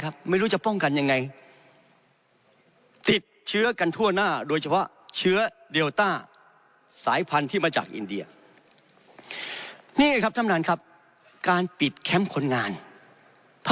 ครับไม่รู้จะป้องกันยังไงติดเชื้อกันทั่วหน้าโดยเฉพาะเชื้อ